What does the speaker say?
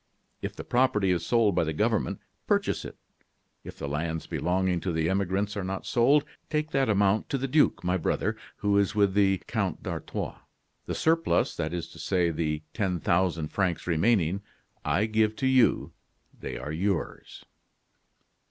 If the property is sold by the government, purchase it; if the lands belonging to the emigrants are not sold, take that amount to the duke, my brother, who is with the Count d'Artois. The surplus, that is to say, the ten thousand francs remaining, I give to you they are yours.